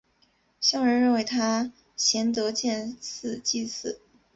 乡人认为他贤德建祠祭祀。